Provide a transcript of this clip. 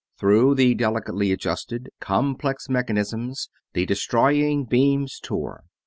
Through the delicately adjusted, complex mechanisms the destroying beams tore.